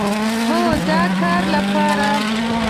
هو، د کار لپاره